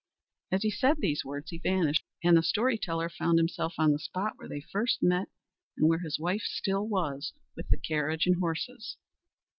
As he said these words he vanished; and the story teller found himself on the spot where they first met, and where his wife still was with the carriage and horses.